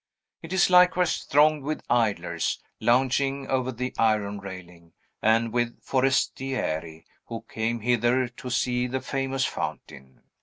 It is likewise thronged with idlers, lounging over the iron railing, and with Forestieri, who came hither to see the famous fountain.